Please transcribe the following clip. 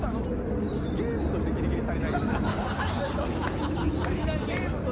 ゲームとしてギリギリ足りない。